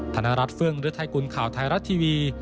ธนรัฐเฟื่องฤทัยกุลข่าวไทยรัฐทีวี